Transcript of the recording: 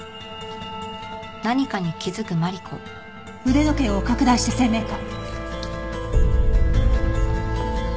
腕時計を拡大して鮮明化。